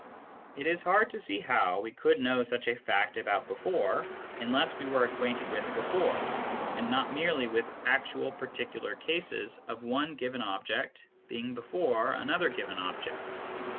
It is hard to see how we could know such a fact about " before " unless we were acquainted with " before," and not merely with actual particular cases of one given object being before another given object.